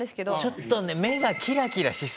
ちょっとね